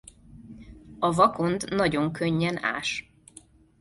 A vakond nagyon könnyen ás.